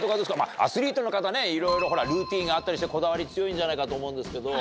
いろいろルーティンがあったりしてこだわり強いんじゃないかと思うんですけど。